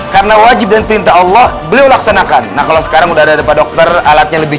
karena wajib dan perintah allah beliau laksanakan nah kalau sekarang udah ada dokter alatnya lebih